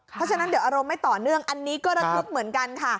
เพราะฉะนั้นเดี๋ยวอารมณ์ไม่ต่อเนื่องอันนี้ก็ระทึกเหมือนกันค่ะ